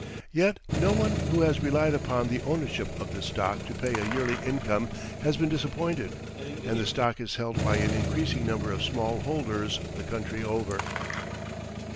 Yet no one who has relied upon the ownership of this stock to pay a yearly income has been disappointed, and the stock is held by an increasing number of small holders the country over.